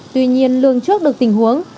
tuy nhiên lường trước được tình huống